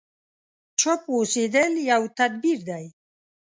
چوپ اوسېدل يو تدبير دی.